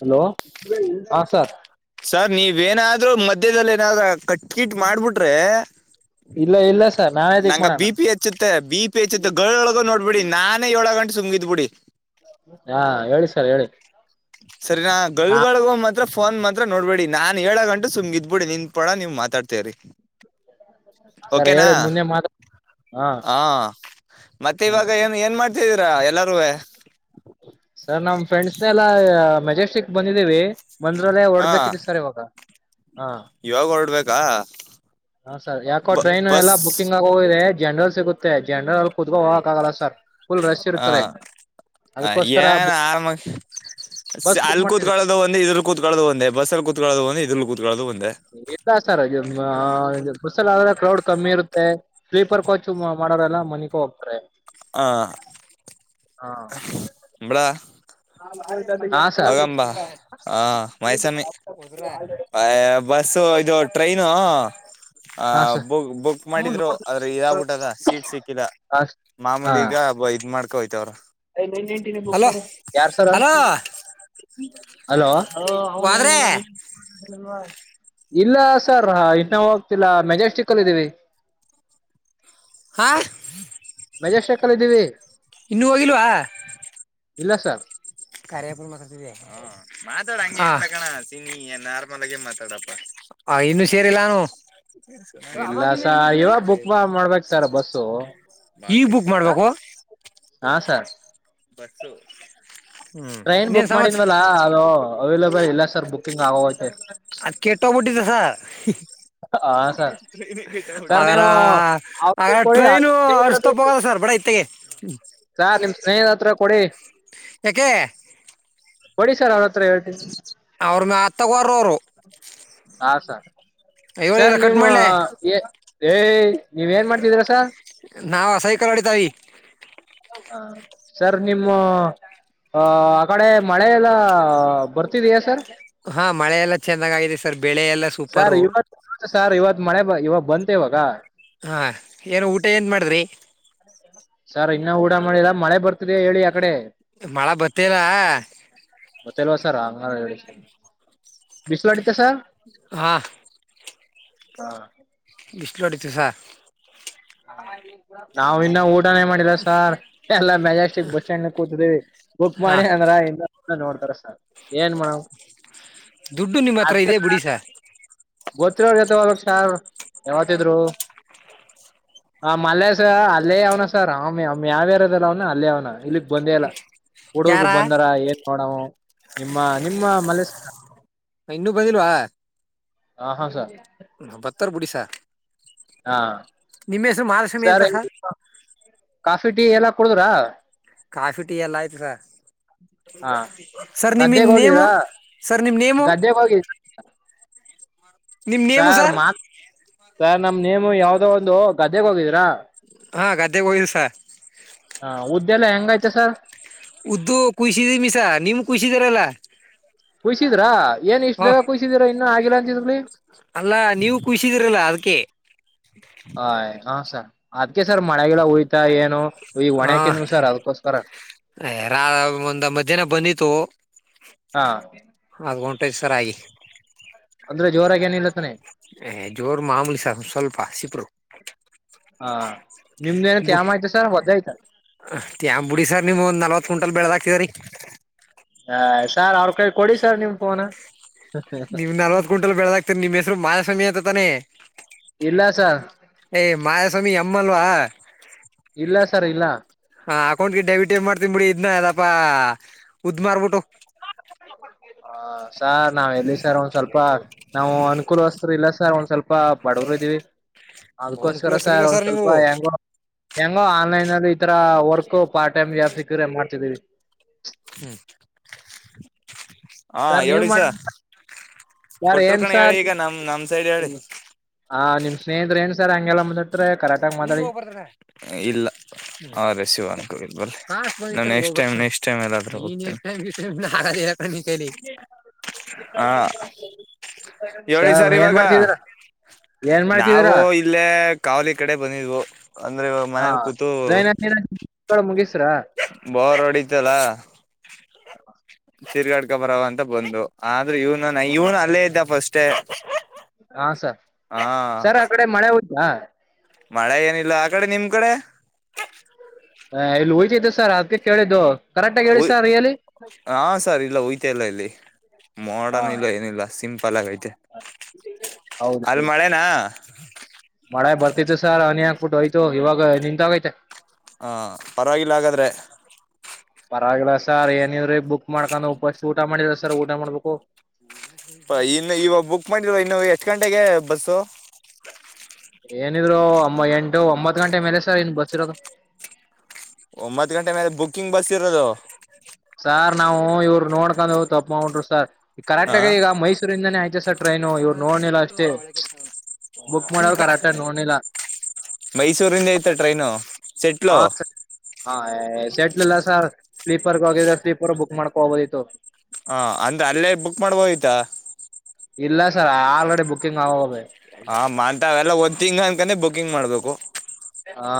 hello ಹಾ sir sir ನೀವೇನಾದ್ರು ಮಧ್ಯ್ಯದಲ್ಲಿ ಏನಾದ್ರೂ ಕಟ್ಕಿಟ್ ಮಾಡ್ಬಿಟ್ರೆ ಇಲ್ಲ ಇಲ್ಲ ಸರ್ ನಾವೇ ಪಿಕ್ ನಂಗ ಮಾಡೋಣ ಬಿ ಪಿ ಹೆಚ್ಚುತ್ತೆ ಬಿ ಪಿ ಹೆಚ್ಚುತ್ತೆ ಗೊಳಗ ನೋಡ ಬಿಡಿ ನಾನೇ ಏಳಗ್ ಗಂಟ ಸುಂಗಿದ್ ಬಿಡಿ ಹಾ ಹೇಳಿ ಸರ್ ಹೇಳಿ ಸರಿ ನಾ ಗಗಳಗಳಗ ಮಾತ್ರ ಫೋನ್ ಮಾತ್ರ ನೋಡ್ಬೇಡಿ ನಾನ್ ಹೇಳ ಗಂಟು ಸು್ ಇದ್ಬಿಡಿ ನಿನ್ ಪಡ ನೀವು್ ಮಾತಾಡ್ತೇವ್ರರಿ ಸರ್ ಓಕೆನಾ ಹೇಳಿ ಮುಂದೆ ಮಾತ ಹಾ ಹ ಮತ್ತೆ ಹ ಇವಾಗ ಏ ಏನ್ ಮಾಡ್ತಿದೀರಾ ಎಲ್ಲಾರೂ ಸರ್ ನಮ್ ಫ್ರೆಂಡ್ಸ್ನೆ ಎಲ್ಲಾ ಮೆಜೆಸ್ಟಿಕ್ ಬಂದಿದ್ದೀವಿ ಬಂದ್ರಲ್ಲೇ ಹಾ ಹೊಓಡ್ಬೇಕಿದತ್ತು ಸರ್ ಇವಾಗ ಹಾ ಇವಾಗ ಹೊರಡ್ಬೇಕಾ ಹ ಸರ್ ಯಾಕೋ ಬ- ಟ್ರೈನ್ ಎಲ್ಲ ಬಸ್ ಬುಕ್ಕಿಂಗ್ ಆ ಹೋಗ್ರ ಜನರಲ್ ಸಿಗುತ್ತೆ ಜನರಲ್ ಅಲ್ಲಿ ಕೂತ್ಕೋ ಹೋಗಕ್ ಆಗಲ್ಲ ಸರ್ ಫುಲ್ ರಶ್ ಇರ್ತಾರೆ ಹ ಅದಕ್ಕೋಸ್ಕರ ಏನ್ ಆರಾಮ ಬಸ್ ಬುಕ್ ಅಲ್ಲಿ ಮಾಡ್ತಿದ್ವಿ ಕೂತ್ಕಳ ಒಂದು ಇದ್ರ ಕೂತ್ಕೊಳ್ಳುದು ಒಂದ ಬಸ್ಸಲ್ಲಿ ಕೂತ್ಕೊಳ್ಳೋ ಒಂದು ಇದ್ರ ಕೂತ್ಕೊಳ್ಳೋದು ಒೆ ಇಲ್ಲ ಸರ್ ಮುಸಲ್ ಆದ್ರೆ ಕ್ರೌಡ್ ಕಮ್ಮಿ ಇರುತ್ತೆ ಸ್ಲೀಪರ್ ಕಾಚ್ ಮಾಡೋರೆಲ್ಲ ಮನಿಕ ಹೋಗ್ತಾರೆ ಹ ಹಾ ಹಳ ಹಾ ಆಯ್ತ ಹೋಗಂಬ ಹ ಮೈಸಮ್ಮಿ ಹದ ಬಸ್ಸ ಇದು ಟ್ರೈನು ಆ ಹಾ ಸರ್ ಬುಕ್ ಬುಕ್ ಮಾಡಿದ್ರು ಆದದ್ರೆ ಇದಾಗ್ಬಿಟ್ಟದ ಸೀಟ್ ಸಿಕ್ಕಿಲ್ಲ ಹ ಮಾಮೂಲಿಗ ಇದ್ ಮಾಡ್ಕೊೋಯ್ತವ್ರ ಟ ಬುಕ್ ಮಾಡ ಯಾರ್ ಸರ ಹಲೋ ಹಲೋ ಹ ಹ ಹೋದ್ರೆ ನೇನ ನೀ ಇಲ್ಲ ಸರ್ ಇನ್ನ ಹೋಗ್ತಿಲ್ಲ ಮೆಜೆಸ್ಟಿಕ್ಲ್ಲ ಇದೀವಿ ಹಾಂ ಮೆಜೆಸ್ಟಿಕ್ ಅಲ್ಲಿ ಇದೀವಿ ಇನ್ನುೂ ಹೋಗಿಲ್ವಾ ಇಲ್ಲ ಸರ್ ಪುತಾತ ಮಾತಾಡ ಹಂಗ ತಕಣ ಸಿನಿ ನಾರ್ಮಲ್ ಆಗೇ ಮಾತಾಡಪ್ಪಾ ಹ ಇನ್ನು ಸೇರಿಲ್ಲಾನು ಹ ಇಲ್ಲ ಸ ಇವಾಗ ಬುಕ್ ಮಾಡ್ಬೇಕಕ್ ಸರ್ ಬಸ್ಸು ಈ ಬುಕ್ ಮಾಡ್ಬೇಕು ಹಾ ಸರ್ ಬಸ್ಸು ಹ್ಮ್ ಟ್ರೈನ್ ಇನ್ನೇನ್ ಬುಕ್ ಸಮಾಚಾರ ಮಾಡಿದ್ವಲ್ಲಾ ಅದು ಅವೈಲಬಲ್ ಇಲ್ಲ ಸರ್ ಬುಿಂಗ್ ಆಗೋೋಗ್ತೈು ಅದ್ ಕೆಟ್ಟೋಗ್ಬಿಟ್ಟಿದ್ದಸ ಹ ಸ ಆರ ಆ ಔಟ್ಫಿಟ್ ಕೊಡಿ ಟ್ರೈನು ಸ್ನೇಹಿತರ ಅರ್ಸ್ತ ಹೋಗದ ಸರ್ ಬಡ ಇತ್ತೆಗೆ ಹ್ಮ ಸ ನಿಮ್ ಸ್ನೇಹಿ ಹತ್ರ ಕೊಡಿ ತಯಾಕೆ ಒಡಿಿಸ್ರ್ ಅವ್ರ ಮತ್ತಗರ ಅವರು ಹ ಸರ್ ಸರ್ ಇವಳಿಲ್ಲ ಕಟ್ ನೀವು ಮಾಡ್ಲೆ ಏ ಏ ಏ ಏ ನೀವ್ ಏನ್ ಮಾಡ್ತಿದೀರ ಸರ್ ನಾವು ಆ ಸೈಕಲ್ ಹೊಡಿತಾವಿ ಹ ಸರ್ ನಿಮ್ಮ [unintelligible] ಆ ಆ ಕಡೆ ಮಳೆ ಎಲ್ಲ ಬರ್ತಿದೆಯಾ ಸರ್ ಹಾ ಮಳೆ ಎಲ್ಲಾ ಚೆಂದಾಗ ಆಗಿದೆ ಸರ್ ಬೆಳೆ ಎಲ್ಲಾ ಸೂಪರು ಮತ್ತ ಸಾರ್ ಇವತ್ ಮಳೆ ಇವಾಗ ಬಂತ ಇವಾಗ ಹಾ ಏನ್ ಊಟ ಏನ್ ಮಾಡಿದ್ರಿ ಸರ್ ಇನ್ನ ಊಟ ಮಾಡಿಲ್ಲ ಮಳೆ ಬರ್ತಿದೆ ಹೇಳಿ ಆಕಡೆ ಮಳೆ ಬರ್ತಿದ ಮತ್ತೆಲ್ವಾ ಸರ್ ಹ ಹೇಳ ಬಿಸಲಡಿತ ಸರ್ [unintelligible] ಹಾ ಹಾ ಬಿಸ್ಲುಡಿತು ಸರ್ ನಾವು ಇನ್ನ ಊ ನಾವ್ ಏನ್ ಮಾಡಿದ ಸಾರ್ ಎಲ್ಲ ಮಜೆಸ್ಟಿಕ್ ಬಸ್ ಸ್ಟ್ಯಾಂಡ್ನಾಗ್ ಕೂತಿದೀವಿ ಬುಕ್ ಹಾ ಮಾಡಿ ಅಂದ್ರ ಇನ್ನು ಇ ನೋಡ್ತಾರ ಸರ್ ಏನ್ ಮಾಡ್ ದುಡ್ಡು ನಿಮ್ಮ ಹತ್ರ ಇದೆ ಬಿಡಿಿಸ ಗೊತ್ತಿರ್ರಗತೆವಕ್ಷಾರ್ ಯಾವತ ಇದ್ರು ಆ ಮಲ್ಲೆಸ ಅಲ್ಲೇ ಅವನ ಸರ್ ಆಮ ಯಾವ್ಯಾರದಲ್ಲ ಅವ್ನ ಅಲ್ಲೇ ಅವ್ನ ಇಲ್ಲಿ ಬಂದೇ ಅಲ್ಲ ಹುಡರ್ಗ ಯಾರ ಬಂದಾರ ಏನ್ ನೋಡವು ನಿಮ್ಮ ನಿಮ್ಮ ಮಲಸ ಇನ್ನುೂ ಬಂದಿಲ್ವಾ ಹ ಹಾ ಸರ್ ಹಬ್ತ್ತಾರ ಬಿುಡಿಿಸ ಮಹಾಲಕ್ಷ್ಮಿ ಅಂತ ಸರಿ ಸರ್ ಕಾಫಿ ಟೀ ಎಲ್ಲ ಕುಡುದ್ರ ಕಾಫಿ ಟೀ ಎಲ್ಲ ಆಯ್ತು ಸರ್ ಹಾ ಸರ್ ನಿಮನ್ ಗದ್ದೆಗ್ ನೇಮು ಹೋಗಿದ್ರಾ ಸರ್ ನಿಮ್ ನೇಮು ಗದ್ದೆಗ್ ಹೋಗಿದ್ರ ನಿಮ್ಮ ನೇಮು ಸರ್ ಸಾರ್ತ್ ಸಾರ್ ನಮ್ ನೇಮ ಯಾವ್ದೋ ಒಂದು ಗದ್ದೆಗ್ ಹೋಗಿದೀರಾ ಹಾ ಗದ್ದೆಗೆ ಹಯ್ಸ ಹಾ ಉದ್ದೆಲ್ಲ ಹೆಂಗೈ್ತೆ ಸರ್ ಉದ್ದು ಕುಸಿದ ಮೀಸಾ ನಿಮ್ ಕುಸಿದರಲ್ಲಾ ಕುಯಸಿದ್ರಾ ಏನ್ ಇಷ್ಟ್ ಹ ಬೇಗ ಕುಯ್ಸಿದಿರಾ ಇನ್ನು ಆಗಿಲ್ಲ ಅಂತಿದ್ಲಿ ಅಲ್ಲ ನೀವು ಖುಷಿದಿರಲ್ಲ ಅದಕ್ಕೆ ಆಯ ಹ ಸರ್ ಅದ್ಕ ಸರ್ ಮಳೆಗಲ್ಲ ಹೋಯ್ತಾ ಏನು ಈಗ ಹಾ ಒಣಕಿದ್ವು ಸರ್ ಅದಕ್ಕೋಸ್ಕರ ಯಾರ ಒಂದ ಮಧ್ಯಾಹ್ನ ಬಂದಿತ್ತು [unintelligible] ಹಾಂ ಅದ್ ಹೊಂಟೈತಿ ಸರಾಗಿ ಅಂದ್ರೆ ಜೋರಾಗಿ ಏನ ಇಲ್ಲತಾನೆ ಏ ಜೋರ್ ಮಾಮೂಲಿ ಸ್ವಲ್ಪ ಸ್ವಲ್ಪ ಸಿಪರು ಹಾ ನಿಮ್ದ ಏನ ತ್ಯಾಮ ಆಯ್ತ ಸರ್ ಹೊದಯ್ತ ತ್ಯಾ್ ಬಿಡಿ ಸರ್ಮ್ ಒ್ ನಲ್ವತ್ ಕುಂಟಲ್ ಬೆಳೆದಾಕಿದ ರರಿ ಹ ಸಾರ್ ಅವ್ರ ಕೈ ಕೊಡಿ ಸರ್ ನಿಮ್ ಫೋನ್ ನಿಮ್ ನಲ್ವತ್ ಕ ಕುಂಟಲ್ ಬೆಳದಾಗ್ತರಿ ನಿಮ್ ಹೆಸರು ಮಾಯಾ ಸಮಯ ಅತ್ತ ತಾನೆ ಇಲ್ಲಸ ಏ್ ಮಾಸವಾಮಿ ಎ ಅಲ್ವಾ ಇಲ್ಲ ಸರ್ ಇಲ್ಲ ಹ ಅಕೌಂಟ್ಗೆ ಡೆಬಿಟ್ ಏ ಮಾಡ್ತನ್ ಬಿಡಿ ಇದನ್ನ ಅದಪ್ಪಾ ಉದ್ ಮಾರ್ಬಿಟ್ಟು ಹ ಸಾರ್ ನಾವ್ ಎಲ್ಲಿ ಸರ್ ಒಂದ್ ಸ್ವಲ್ಪ ನಾವು ಅನುಕೂಲವಸ್ತರು ಇಲ್ಲ ಸರ್ ಒಂದ್ ಸ್ವಲ್ಪ ಬಡವರು ಇದೀವಿ ಅವ್ನ್ ಅದಕ್ಕೋಸ್ಕರ ಕ್ಲೋಸ್ ಇಲ್ಲ ಸರ್ ಒಂದ್ ನೀವು ಸ್ವಲ್ಪ ಹೆಂಗ ಹೆಂಗ ಆನ್ಲೈನ್ ಅಲ್ಲಿ ಈ ತರ ವರ್ಕ್ ಪಾರ್ಟ್ ಟೈಮ್ ಯಾವ ಸಿಕ್ಕ್ರೆ ಮಾಡ್ತಿದರಿ ಹ್ಮ್ ಹಾ ಸರ್ ನೀವ್ ಹೇಳಿ ಮಾಡ ಸ ಸರ್ ಕೊಟರು ಏನ್ ಕಣ ಹೇಳಿ ಈಗ ನಮ್ ನಮ್ ಸೈಡ್ ಹೇಳಿ ಹಾ ನಿಮ್ಮನೇಹ್ರ ಏನು ಸರ್ ಹಂಗೆಲ್ಲ ಬಂದಿು ನೀ ಹೋಗ್ಬರ್ತ ಇಲ್ಲ ಹಾ ರೆ ಶಿವನ್ ಕ ಬ ನಾ ನೆಕ್ಟ್ ಟೈಮ್ ನೆಕ್ಸ್ಟ್ ಟೈಮ್ ಎಲ್ಲಾದ್ರೂ ಹೋಗ್ ಲಿ ಹಾ ಹೇಳಿ ಸರ್ ಏನ್ ಇವಾಗ ಮಾಡ್ತಿದೀರ ಏನ್ ನಾವು ಮಾಡ್ತಿದೀರಾ ಇಲ್ಲೇ ಕಾವಲಿ ಕಡೆ ಬಂದಿದ್ವು ಅಂದ್ರೆ ಮನೇಲಿ ಕೂತು ಡ ಮುಗಿಸ್ರ ಬೋರ್ ಹೊಡಿತಲ್ಲ ಸಿರ್ಗಾಡ್ಕ ಬರವ ಅಂತ ಬಂದು ಆದ್ರೆ ಇವ್ ಾನ ಇವ್ನು ಅಲ್ಲೇ ಇದ್ದ ಫಸ್ಟ್ೇ ಹಾ ಸರ್ ಸರ್ ಆ ಕಡೆ ಮಳೆ ದಾ ಮಳೆ ಏನಿಲ್ಲ ಆ ಕಡೆ ನಿಮ್ ಕಡೆ ಹ ಇಲ್ಲಿ ಹಯ್ತತ್ತು ಸರ್ ಅದ್ಕ್ಕೆ ಕೇಳಿದ್ದು ಕರೆಕ್ಟ್ ಆಗ ಹೇಳಿ ಸರ್ ರಿಯಲಿ ಹಾ ಸರ್ ಇಲ್ಲ ಹಯ್ತ ಇಲ್ಲ ಇಲ್ಲಿ ಹಾ ಮಾಡನ್ ಇಲ್ಲ ಏನಿಲ್ಲ ಸಿಂಪಲ್ ಆಗೈತೆ ಹೌದು ಅಲ್ ಮಳೆನಾ ಮಳೆ ಬರ್ತಿತ್ತು ಸರ್ ಹನಿಾಕ್ಬಿಟ್ಟುೋಯ್ತು ಇವಾಗ ನಿಂತಾಗೈತ ಪರವಾಗಿಲ್ಲ ಹಾಗಾದ್ರೆ ಪರವಾಗಿಲ್ಲ ಸರ್ ಏನವ್ರೀ ಬುಕ್ ಮಾಡ್ಕೊಂಡುಸ್ ಊಟ ಮಾಡಿಲ್ಲ ಸರ್ ಊಟ ಮಾಡ್ಬೇಕು ಇನ್ನು ಇವಾಗ ಬುಕ್ ಮಾಡಿದ ಇನ್ನು ಎಷ್ಟ್ ಗಂಟೆಗೆ ಬಸ್ಸ ಏನಿದ್ರು ಎಂಟು ಒಂಬತ್ ಗಂಟೆ ಮೇಲೆ ಸರ್ ಇನ್ ಬಸ್ ಇರೋದು ಒಂಬತ್ ಗಂಟೆ ಮೇಲೆ ಬುಕ್ಕಿಂಗ್ ಬಸ್ ಇರೋದು ಸಾರ್ ನಾವು ಇವರು ನೋಡ್ಕೊಂಡ್ ಹ ತಪ್ಪ ಮಾಡಬಿಟೊ ಸಾರ್ ಈಗ ಕರೆಕ್ಟ್ ಹಾ ಆಗ ಈಗ ಮೈಸೂರಿಂದಾನೇ ಆಯ್ತೆ ಸರ್ ಟ್ರೈನು ಇವ್ರು ನೋಡ್ನಿಲ್ಲ ಅಷ್ಟೇ ಬುಕ್ ಮಾಡೋ್ರು ಕರೆಕ್ಟ ನೋಡ್ಿಲ್ಲ ಮೈಸೂರಿಂದ ಐತೆ ಟ್ರೈನು ಸೆಟ್ಲು [unintelligible] ಹಾ ಸೆಟ್ಲ ಇಲ್ಲ ಸರ್ ಸ್ಲೀಪರ್ಗ ಹೋಗಿದ್ರ ಸ್ಲೀಪರ್ ಬುಕ್ ಮಾಡ್ಕೊಬೋದಿತ್ತು ಹ ಅಂದ್ರೆ ಅಲ್ಲೇ ಬುಕ್ ಮ್ಯಾಡ್ಬೋಧಿತ್ತ ಇಲ್ಲ ಸರ್ ಆಲ್ರೆಡಿ ಬುಕ್ಕಿಂಗ್ ಆಗೋಗವೇ ಹಾ ಮಾತಾವೆಲ್ಲ ಒಂದ್ ತಿಂಗ್ ಅನ್ಕಾನೆ ಬುಕಿಂಗ್ ಮಾಡ್ಬೇಕು ಹಾ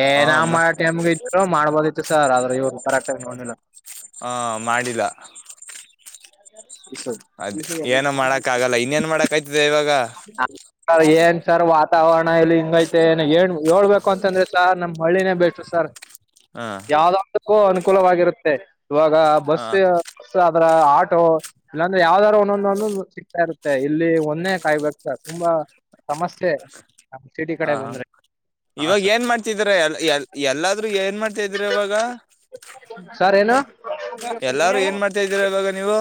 ಏ ಹ ನಾ ಮಾಡ ಮತ್ ಟೈಮ್ಗೆ ಇದ್ರು ಮಾಡ್ಬೋದಿತ್ತು ಸರ್ ಆದ್ರೆ ಇವ್ರು ಕರೆಕ್ಟ್ ನೋಡ್ಲಿಲ್ಲ ಹಾ ಮಾಡಿಲ್ಲ ಅದ್ ಏನೋ ಮಾಡಕ್ [inaudible] ಆಗಲ್ಲ ಇನ್ನೇನ್ ಮಾಡಕಾಯ್ತಿದೆ ಇವಾಗ ಹ ಸರ್ ಏನ್ ಸರ್ ವಾತಾವರಣ ಇಲ್ಲಿ ಹಿಂಗೈತೆ ಏನ ಏ ಹೇಳ್ಬೇಕು ಅಂತಂದ್ರೆ ಸರ್ ನಮ್ ಹಳ್ಳಿನೇ ಬೆಸ್ಟ್ ಸರ್ ಹಾ ಯಾವ್ದಾದಕ್ಕೂ ಅನುಕೂಲವಾಗಿರುತ್ತೆ ಇವಾಗ ಹ ಬಸ್ ಮಿಸ್ ಅದ್ರ ಆಟೋ ಇಲ್ಲಾಂದ್ರೆ ಯಾವ್ದಾದ್ರು ಒಂದೊಂದೊಂದಂದು ಸಿಗ್ತಾ ಇರುತ್ತೆ ಇಲ್ಲಿ ಒಂದೆ ಕಾಯಬೇಕ ತುಂಬಾ ಸಮಸ್ಯೆ ನಮ್ ಸಿಟಿ ಹ ಕಡೆ ಹ ಬಂದ್ರೆ ಹಾ ಇವಾಗ ಸರ್ ಏನ್ ಮಾಡ್ತಿದ್ರ ಎ ಎ ಎಲ್ಲಾದ್ೂ ಏನ್ ಮಾಡ್ತಿದ್ರ ಇವಾಗ ಸರ್ ಏನು ಎಲ್ಲಾರು ಏನ್ ಮಾಡ್ತಾ ಇದೀರ ಇವಾಗ ನೀವು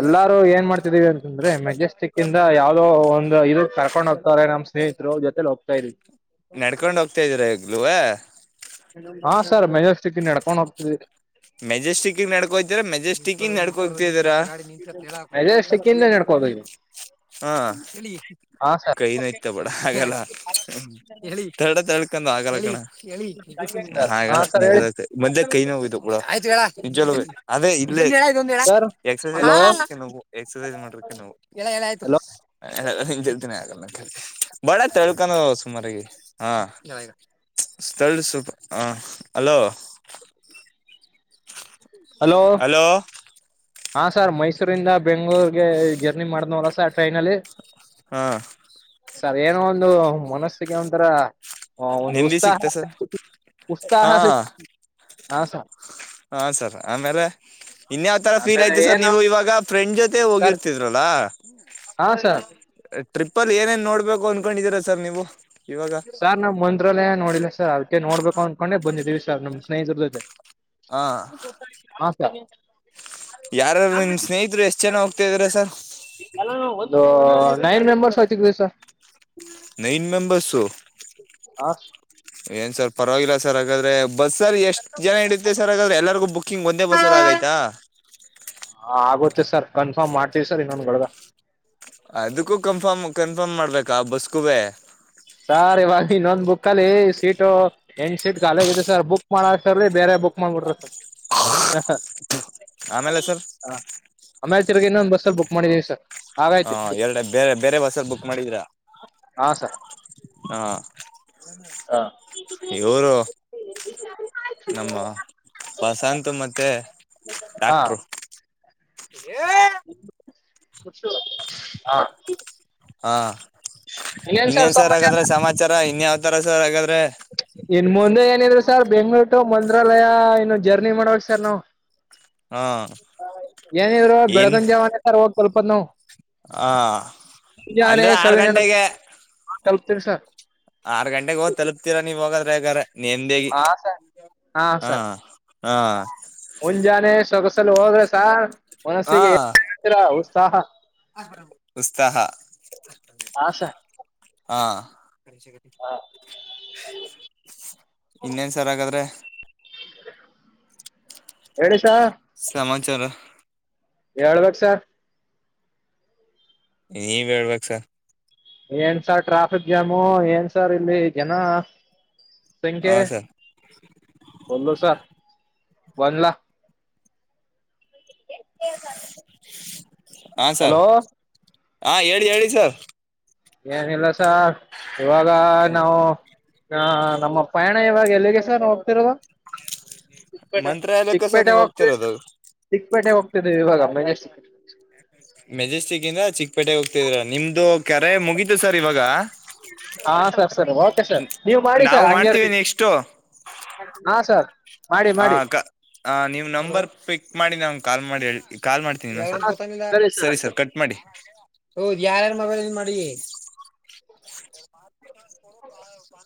ಎಲ್ಲಾರು ಏನ್ ಮಾಡ್ತಿದೀವಿ ಅಂತಂದ್ರೆ [unintelligible] ಜೆಸ್ಟಿಕ್ ಯಾವವು್ದೋ ಒಂದು ಇದು ಕರ್ಕೊಂಡ್ ಹೋಗ್ತಾರೆ ನಮ್ಮ ಸ್ನೇಹಿತರು ಜೊತೆಲಿ ಹೋಗ್ತಾ ಇದವಿ ನಡ್ಕೊಂಡು ಹೋಗ್ತಾ ಇದಿದ್ದೀರಾ ಈಗ್ಲೂ ಹಾ ಸರ್ ಮೆಜರ್್ಟಿಕ್ ನಡ್ಕೊಂಡ್ ಹೋಗ್ತವಿ ಮೆಜೆಸ್ಟಿಕ್ಗ್ ನಡ್ಕೊೋತೀರ ಮೆಜೆಸ್ಟಿಕ್ಂಗ ನಡ್ಕೊ ಹೋಗತಿದರ ಮೆಜೆಸ್ಟಿಕ್ ಇಂದ ನಡ್ಕೋಬೇಕ ಹಾ ಹಾ ಸರ್ ಕೈ [unintelligible] ಆಗಲ್ಲ ಹೇಳಿಡ ತಳ್ಕೊಂಡು ಆಗಲ್ಲ ಗಣ ಹೇಳ ಸರ್ ಹಾ ಹಾಗಲ್ಲ ಸರ್ ನಿಗ ಹೇಳಿ ಮೊದಲೇ ಕೈ ನೋ ಇದು ಆಯ್ತು ಹೇಳ ನಿಜ ಅದೇ ಇ ವು ಸರ್ ಹಲೋ ಎಕ್ಸಸೈಸ್ ಮಾಡ್ರಕ್ಕೆವು ಹಲೋ ಜತಿನೇ ಆಗಲ್ಲ ಬಾಳ ತಳ್ಕೊಂಡ ಸುಮಾರಿಗೆ ಹಾ ಸ್ಥ ಸೂಪ ಹ ಅಲೋ [inaudible] ಹಲೋ ಹಾ ಸರ್ ಮೈಸೂರಿಂದ ಬೆಂಗ್ಗಳೂರ್ಗೆ ಜರ್ನಿ ಮಾಡನವಲ್ಲ ಸರ್ ಟ್ರೈನಲ್ಲಿ ಹಾ ಸರ್ ಏನೋ ಒಂದು ಮನಸ್ಸಿಗೆ ಒಂಥರ ಹ ಒಂದು ನೆಮ್ಮದಿ ಉತ್ಸಾಹ ಸಿಕ್ತಾ ಸರ್ ಉತ್ಸಾಹ ಹಾ ಸಿ ಹ ಸ ಹಾ ಸರ್ ಆಮೇಲೆ ಇನ್ಯಾವ್ ತರ ಫೀಲ್ ಆಮೇಲೆ ಯ್ತಿ ಸರ್ ಏನು ನೀವು ಇವಾಗ ಫ್ರೆಂಡ್ ಜೊತೆ ಸರ್ ಹೋಗಿರ್ತಿದ್ರಲ್ಲಾ ಹಾ ಸರ್ ಟ್ರಿಪ್ಪಲ್ ಏನೇನ್ ನೋಡ್ಬೇಕು ಅನ್ಕೊಂಡಿದೀರಾ ಸರ್ ನೀವು ಇವಾಗ ಸರ್ ನಮ್ ಮಂತ್ರಾಲಯ ನೋಡಿಲ್ಲ ಸರ್ ಅದಕ್ಕೆ ನೋಡ್ಬೇಕು ಅಂದನ್ಕೊಂಡೆ ಬಂದಿದೀವಿ ಸರ್ ನಮ್ ಸ್ನೇಹಿತರ ಜೊತೆ ಹ ಹಾ ಸರ್ ಯಾರರು ನಿಮ್ ಸ್ನೇಹಿತರು ಎಷ್ಟ್ ಜನ ಹೋಗ್ತಾ ಇದ್ರ ಸರ್ ನೈನ್ ಮೆಂಬರ್ಸ್ ಆಯ್ತಿದವಿೀ ಸರ್ ನೈನ್ ಮೆಂಬರ್ಸು ಹಾ ಏನ್ ಸರ್ ಪರವಾಗಿಲ್ಲ ಸರ್ ಹಾಗಾದ್ರೆ ಬಸ್ ಸರ್ ಎಷ್ಟು ಜನ ಇಿಡುತ್ತೆ ಸರ್ ಹಾಗಾದ್ರೆ ಎಲ್ಲರಿಗೂ ಬುಕ್ಕಿಂಗ್ ಒಂದೇ ಬಸ್ಸಲ್ಲಿ ಆಗೈತಾ ಹಾ ಆಗುತ್ತೆ ಸರ್ ಕನ್ಫರ್ಮ್ ಮಾಡ್ತೀವಿ ಸರ್ ಇನ್ನೊಂದೊಗಳದಗ ಅದಕ್ಕೂ ಕನ್ಫರ್ಮ್ ಕನ್ಫರ್ಮ್ ಮಾಡ್ಬೇಕಾ ಬಸ್ಗೂ ಬ ಸಾರ್ ಇವಾಗ ಇನ್ನೊಂದ್ ಬುಕ್ ಅಲ್ಲಿ ಸೀಟು ಎಂಟ್ ಸೀಟ್ ಖಾಲಿ ಆಗತೆ ಸರ್ ಬುಕ್ ಮಾಡ ಸರ್ೀ ಬೇರೆ ಬುಕ್ ಮಾಡ್ಬಿಟ್ರ ಸರ್ ಹ ಆಮೇಲೆ ಸರ್ ಆಮೇಲೆ ತಿರ್ಗಿ ಇನ್ನೊಂದ ಬಸ್ಸಲ್ಲಿ ಬುಕ್ ಮಾಡಿದೀವಿ ಸರ್ ಹಾ ಆಗೈತಿ ಎರಡು ಬೇರೆ ಬೇರೆ ಬಸ್ಸ ಬುಕ್ ಮಾಡಿದರಾ ಹಾ ಸರ್ ಹಾ ಇವರು ನಮ್ಮ ಬಸಂತ ಮತ್ತೆ ಹಾ ಡಾಕ್ಟ್ರು ಏಹೇ ಹ [inaudible] ಹಾ ಇನ್ನೇನ್ ಸರ್ ಹಾಗಾದ್ರೆ ಸಮಾಚಾರ ಇನ್ ಯಾವತಾರ ಸರ್ ಹಾಗಾದ್ರೆ ಇನ್ ಮುಂದೆ ಏನಿದ್ರು ಸರ್ ಬೆಂಗಗಳೂರ್ ಟು ಮಂತ್ರಾಲಯ ಇನ್ನು ಜರ್ನಿ ಮಾಡವಕ್ ಸರ್ ನಾವವು ಹಾ ಏನಿದ್ರು ಬೆಳಗನ ಜಾವಾನೆ ಸರ್ ಹೋಗ ಕಲ್ಪತ್ ನಾವ್ ಹಾ ಅಂದ್ರೆ ಆರ್ ಗಂಟೆಗೆ ಹಾ ಕಲ್ಪ್ತೀವಿ ಸ ಆರ್ ಗಂಟೆಗೆ ಹದ್ ತಲುಪ್ೀರಾ ನೀವ ಹೋಗದ್ರೆಗಾರ ನ್ದೇಗ ಹಾ ಸರ್ ಹಾ ಹಾ ಮುಂಜಾನೆ ಸೊಗಸಲು ಹೋದ್ರೆ ಸಾರ್ ಹಾ ಮನಸ್ಸಿಗೆರ ಉತ್ಸಾಹ ಉತ್ಸಾಹ ಹಾ ಸ ಹಾ ಇನ್ನೇನ್ ಸರ್ ಹಾಗಾದ್ರೆ ಎಡೆಷ ಸಮಾಚಾರ ಹೇಳ್ಬೇಕು ಸರ್ ನೀವ ಹೇಳ್ಬೇಕಕ್ಸ ಏನ್ ಸಾರ್ ಟ್ರಾಫಿಕ್ ಜಾಮು ಏನ್ ಸಾರ್ ಇಲ್ಲಿ ಜನ ಸಂಖ್ಯೆ ಹಾ ಸರ್ ಒಲ ಸರ್ ಒನ್ ಲಾಖ ಹಾ ಸರ್ ಹಲೋ ಹಾ ಹೇಳಿ ಹೇಳಿ ಸರ್ ಏನಿಲ್ಲ ಸರ್ ಇವಾಗ ನಾವು ಹಾ ನಮ್ಮ ಪಯಣ ಇವಾಗ ಎಲ್ಲಿಗೆ ಸರ್ ಹೋಗ್ತಿರುವ ಚಿಕ್ಕಪೇಟೆ ಮಂತ್ರಾಲಯಕ್ಕೆ ಸರ್ ಚಿಕ್ಕಪೇಟೆ ನೀವ್ ಹೋಗ್ತದ್ವಿ ಹೋಗ್ತಿರೋದು ಚಿಕ್ಕಪೇಟೆ ಹೋಗ್ತಿದ್ದವಿ ಇವಾಗ ಮ ಚಿಕ್ಕ ಮೆಜೆಸ್ಟಿಕ್ ಇಂದ ಚಿಕ್ಕಪೇಟೆಗೆ ಹೋಗ್ತಿದ್ರ ನಿಮ್ದು ಕರೆ ಮುಗಿತು ಸರ್ ಇವಾಗ ಹಾ ಸರ್ ಸರ್ ಓಕೆ ಸರ್ ನೀವ್ ಮಾಡಿ ನಾವು ಸರ್ ಮಾಡ್ತೀವಿ ಹಂಗರ್ತೀವಿ ನೆಕ್ಸ್ಟು ಹಾ ಸರ್ ಮಾಡಿ ಹ ಮಾಡಿ ಹ ನೀವ್ ನಂಬರ್ ಪಿಕ್ ಮಾಡಿ ನಮಗೆ ಕಾಲ್ ಮಾಡಿ ಹೇಳ್ತನಿ ಕಾಲ್ ಮಾಡ್ತಿ ಗ ಸರಿ ಸರ್ ಕಟ್ ಮಾಡಿ ಯಾರ ಮ ಮಾಡ ಹೌ